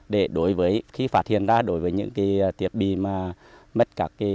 để đối với khi phát hiện ra đối với những thiết bị mất các điện